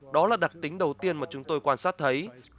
đó là đặc tính đầu tiên mà chúng tôi quan sát thấy